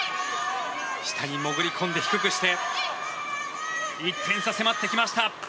下に潜り込んで低くして１点差に迫ってきました。